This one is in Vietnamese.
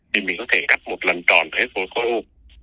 thì mình có thể cắt một lần tròn hết một khối u